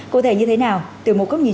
cụ thể như thế nào từ một cấp nhìn